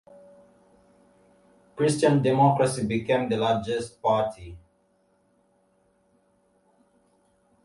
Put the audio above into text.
Christian Democracy became the largest party.